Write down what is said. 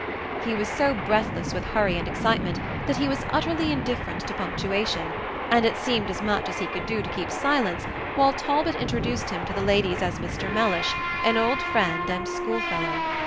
He was so breathless with hurry and excitement that he was utterly indifferent to punctuation, and it seemed as much as he could do to keep silence while Talbot introduced him to the ladies as Mr. Mellish, an old friend and school fellow.